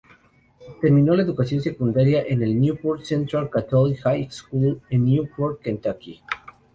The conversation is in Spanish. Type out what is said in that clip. Terminó la educación secundaria en el Newport Central Catholic High School en Newport, Kentucky.